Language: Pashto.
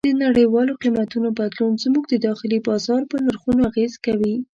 د نړیوالو قیمتونو بدلون زموږ د داخلي بازار په نرخونو اغېز کوي.